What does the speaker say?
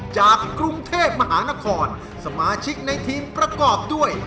จากกรุงเทพมหานครสมาชิกในทีมประกอบด้วย